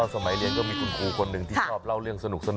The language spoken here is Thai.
สมัยเรียนก็มีคุณครูคนหนึ่งที่ชอบเล่าเรื่องสนุก